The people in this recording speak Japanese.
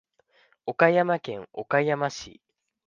岡山県岡山市